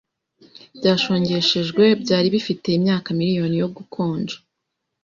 byashongeshejwe byari bifite imyaka miriyoni yo gukonja